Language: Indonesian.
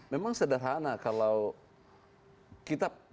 memang sederhana kalau kita